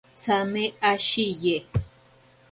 Tsame ashiye.